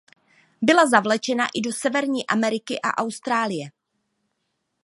Byla zavlečena i do Severní Ameriky a Austrálie.